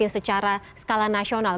secara skala nasional